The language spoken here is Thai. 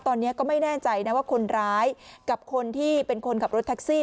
ตอนนี้ก็ไม่แน่ใจนะว่าคนร้ายกับคนที่เป็นคนขับรถแท็กซี่